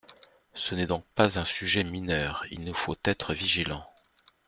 Ce n’est donc pas un sujet mineur ; il nous faut être vigilants.